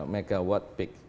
seribu megawatt peak